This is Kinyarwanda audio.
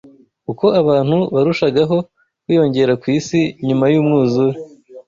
Uko abantu barushagaho kwiyongera ku isi nyuma y’umwuzure